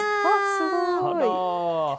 すごい！